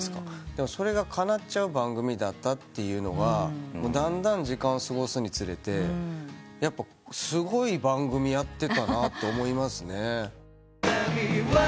でもそれがかなっちゃう番組だったっていうのがだんだん時間を過ごすにつれてすごい番組やってたなと思いますね。